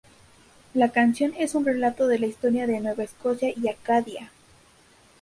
La canción es un relato de la historia de Nueva Escocia y Acadia.